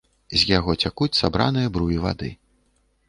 З яго цякуць сабраныя бруі вады.